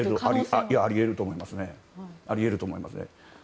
あり得ると思いますね。